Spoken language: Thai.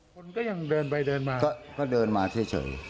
คนก็ยังเดินไปเดินมาก็เดินมาเฉย